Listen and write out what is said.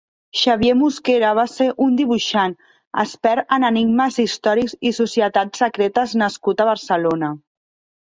Xavier Musquera va ser un dibuixant, expert en enigmes històrics i societats secretes nascut a Barcelona.